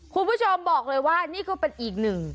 คุณผู้ชมบอกเลยว่านี่ก็เป็นอีกหนึ่ง